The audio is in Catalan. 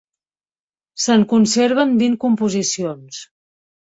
Se'n conserven vint composicions.